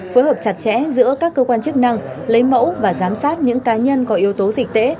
phối hợp chặt chẽ giữa các cơ quan chức năng lấy mẫu và giám sát những cá nhân có yếu tố dịch tễ